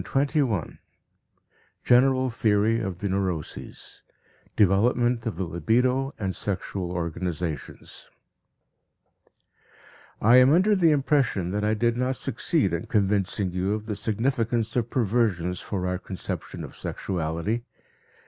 TWENTY FIRST LECTURE GENERAL THEORY OF THE NEUROSES Development of the Libido and Sexual Organizations I am under the impression that I did not succeed in convincing you of the significance of perversions for our conception of sexuality.